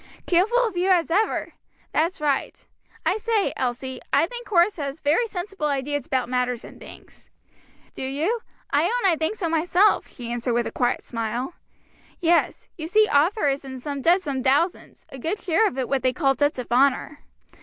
"Careful of you as ever! that's right. I say, Elsie, I think Horace has very sensible ideas about matters and things." "Do you? I own I think so myself," she answered with a quiet smile. "Yes; you see Arthur is in debt some thousands, a good share of it what they call debts of honor.